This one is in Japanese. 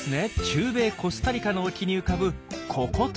中米コスタリカの沖に浮かぶココ島です。